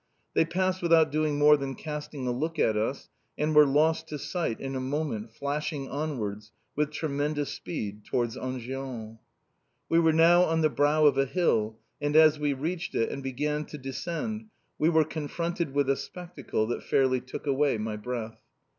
They passed without doing more than casting a look at us, and were lost to sight in a moment flashing onwards with tremendous speed towards Enghien. We were now on the brow of a hill, and as we reached it, and began to descend, we were confronted with a spectacle that fairly took away my breath.